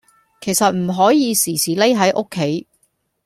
其實唔可以時時匿喺屋企